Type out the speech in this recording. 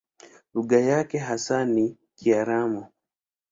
Lugha yake hasa ni Kiaramu.